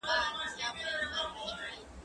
هغه څوک چې کار کوي پرمختګ کوي،